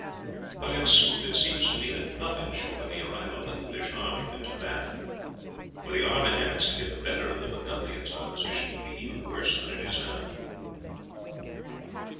But in sooth it seems to me that nothing short of the arrival of an English army could do that. Were the Armagnacs to get the better of the Burgundians our position would be even worse than it is now."